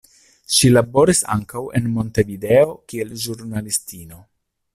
Ŝi laboris ankaŭ en Montevideo kiel ĵurnalistino.